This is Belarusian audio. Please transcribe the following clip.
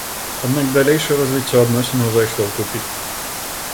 Аднак далейшае развіццё адносінаў зайшло ў тупік.